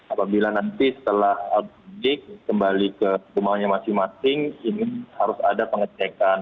apabila nanti setelah mudik kembali ke rumahnya masing masing ini harus ada pengecekan